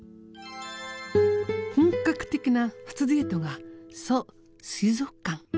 本格的な初デートがそう水族館。